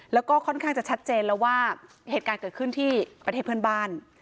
แล้วก็ค่อนข้างจะชัดเจนแล้วว่าเหตุการณ์เกิดขึ้นที่ประเทศเพื่อนบ้าน